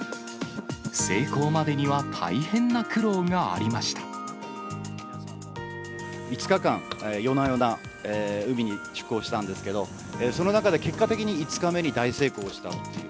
成功までには、大変な苦労があり５日間、夜な夜な海に出港したんですけど、その中で、結果的に５日目に大成功したという。